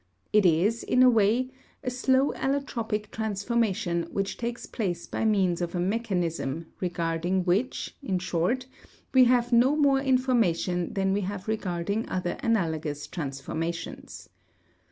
It is, in a way, a slow allotropic transformation which takes place by means of a mechanism regarding which, in short, we have no more information than we have regarding other analogous transformations.